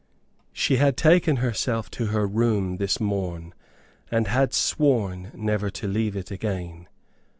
She had taken herself to her room this morn, and had sworn never to leave it again.